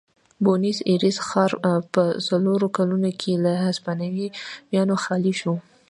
بونیس ایرس ښار په څلورو کلونو کې له هسپانویانو خالي شو.